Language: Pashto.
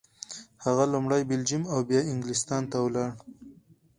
هغه لومړی بلجیم او بیا انګلستان ته ولاړ.